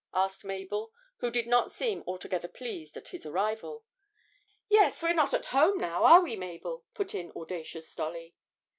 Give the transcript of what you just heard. asked Mabel, who did not seem altogether pleased at his arrival. 'Yes, we're not at home now, are we Mabel?' put in audacious Dolly.